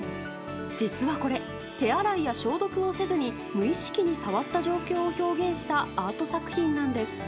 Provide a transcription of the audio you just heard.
実はこれ手洗いや消毒をせずに無意識に触った状況を表現したアート作品なんです。